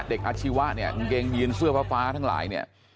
อาชีวะเนี่ยกางเกงยีนเสื้อฟ้าทั้งหลายเนี่ย